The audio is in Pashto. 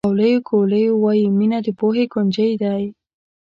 پاویلو کویلو وایي مینه د پوهې کونجۍ ده.